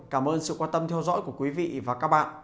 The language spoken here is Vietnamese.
cảm ơn sự quan tâm theo dõi của quý vị và các bạn